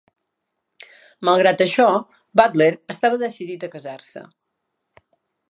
Malgrat això, Butler estava decidit a casar-se.